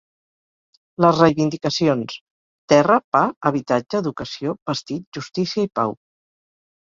Les reivindicacions: terra, pa, habitatge, educació, vestit, justícia i pau.